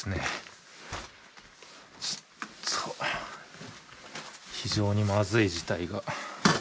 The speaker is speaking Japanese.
ちょっと非常にまずい事態が。